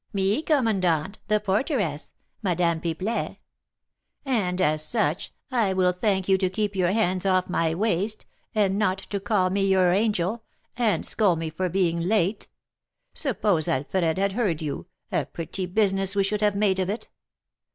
'Me, commandant, the porteress, Madame Pipelet; and, as such, I will thank you to keep your hands off my waist, and not to call me your angel, and scold me for being late. Suppose Alfred had heard you, a pretty business we should have made of it!'